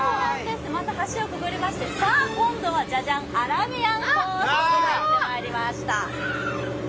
また橋をくぐりまして、今度はアラビアンコーストが見えてまいりました。